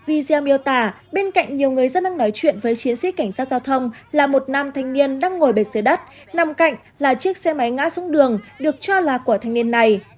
video miêu tả bên cạnh nhiều người dân đang nói chuyện với chiến sĩ cảnh sát giao thông là một nam thanh niên đang ngồi bệt dưới đất nằm cạnh là chiếc xe máy ngã xuống đường được cho là của thanh niên này